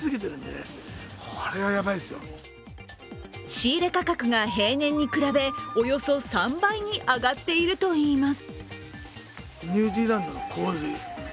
仕入れ価格が平年に比べおよそ３倍に上がっているといいます。